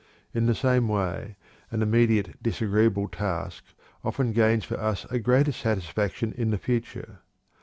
In the same way an immediate disagreeable task often gains for us a greater satisfaction in the future.